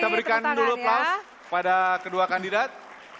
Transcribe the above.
kita berikan dulu aplau pada kedua kandidat